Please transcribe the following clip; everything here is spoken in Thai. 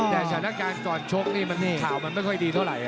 แต่สถานการณ์ก่อนชกนี่ข่าวมันไม่ค่อยดีเท่าไหร่